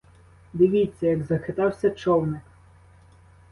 Дивіться, як захитався човник!